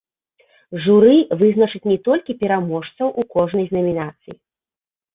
Журы вызначыць не толькі пераможцаў у кожнай з намінацый.